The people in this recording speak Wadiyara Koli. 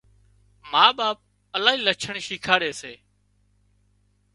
ما ٻاپ الاهي لڇڻ شيکاڙي سي